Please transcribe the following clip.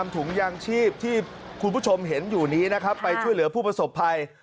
ถุงยางชีพที่คุณผู้ชมเห็นอยู่นี้นะครับไปช่วยเหลือผู้ประสบภัย